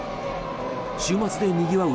週末でにぎわう